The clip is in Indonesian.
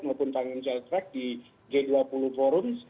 ataupun tangan charles tract di g dua puluh forum